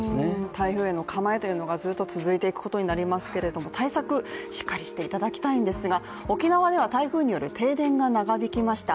台風への構えというものがずっと続いていくことになりますけれども対策、しっかりしていただきたいんですが沖縄では台風による停電が長引きました。